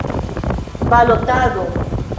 balotado